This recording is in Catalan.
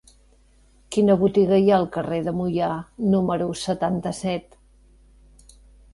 Quina botiga hi ha al carrer de Moià número setanta-set?